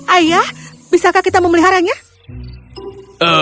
ayah bila kita bisa memelihara ayamnya